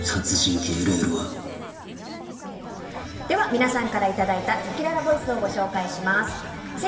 皆さんからいただいたせきららボイスをご紹介します。